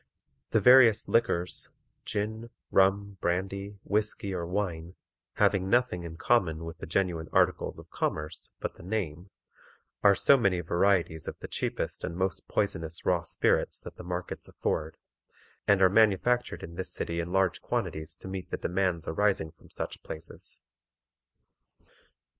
The various liquors, gin, rum, brandy, whisky, or wine, having nothing in common with the genuine articles of commerce but the name, are so many varieties of the cheapest and most poisonous "raw spirits" that the markets afford, and are manufactured in this city in large quantities to meet the demands arising from such places.